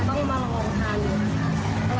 ใช่ต้องมาลองทานเลยครับ